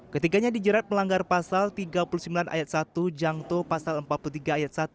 ketiganya dijerat melanggar pasal tiga puluh sembilan ayat satu jangto pasal empat puluh tiga ayat satu